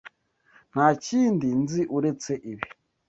Nta kindi nzi uretse ibi.